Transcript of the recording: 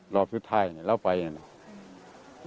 รอบสุดท้ายเนี่ยเล่าไปเนี่ยนะ